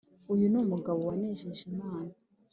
Uyu ni Umugabo wanejeje Imana